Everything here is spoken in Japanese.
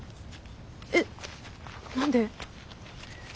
えっ何で？